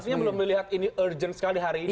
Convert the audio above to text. artinya belum melihat ini urgent sekali hari ini